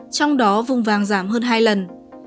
trong đó vùng vàng giảm hơn hai lần